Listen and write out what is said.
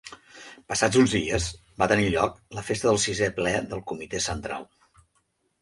Passats uns dies, va tenir lloc la festa del Sisè Ple del Comitè Central.